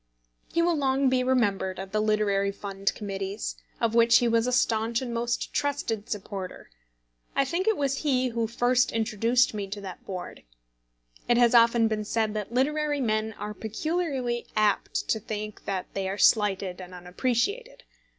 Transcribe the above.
He will long be remembered at the Literary Fund Committees, of which he was a staunch and most trusted supporter. I think it was he who first introduced me to that board. It has often been said that literary men are peculiarly apt to think that they are slighted and unappreciated.